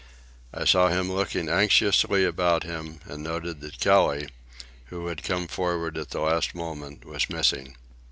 I saw him looking anxiously about him, and noted that Kelly, who had come forward at the last moment, was missing.